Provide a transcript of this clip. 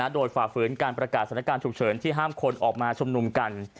โดยฝ่าฝืนการประกาศสถานการณ์ฉุกเฉินที่ห้ามคนออกมาชุมนุมกัน